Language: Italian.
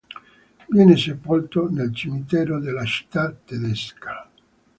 Viene sepolto nel cimitero della città tedesca.